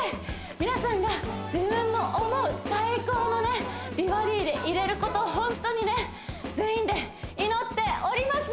皆さんが自分の思う最高の美バディでいれることをホントに全員で祈っております